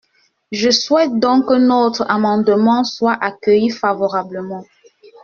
Je souhaite donc que notre amendement soit accueilli favorablement.